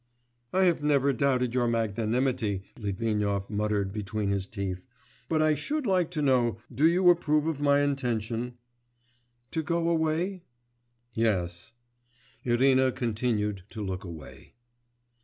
'I have never doubted your magnanimity,' Litvinov muttered between his teeth, 'but I should like to know, do you approve of my intention?' 'To go away?' 'Yes.' Irina continued to look away.